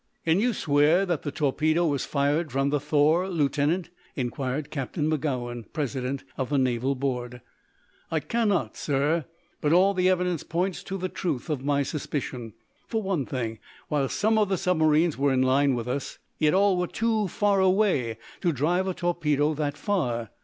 "Can you swear that the torpedo was fired from the 'Thor,' Lieutenant?" inquired Captain Magowan, president of the naval board. "I cannot, sir, but all the evidence points to the truth of my suspicion. For one thing, while some of the submarines were in line with us, yet all were too far away to drive a torpedo that far.